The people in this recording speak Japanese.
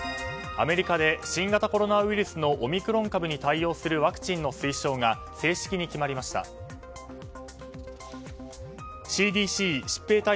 アメリカで新型コロナウイルスのオミクロン株に対応するワクチンの推奨が正式に決まりました。